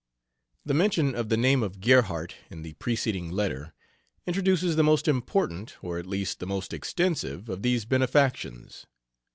The mention of the name of Gerhardt in the preceding letter introduces the most important, or at least the most extensive, of these benefactions.